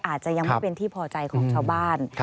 อาจจะยังไม่เป็นที่พอใจของชาวบ้าน